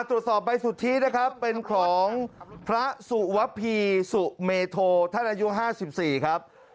ตรวจสอบใบสุทธินะครับเป็นของพระสุวพีสุเมโทท่านอายุ๕๔ครับ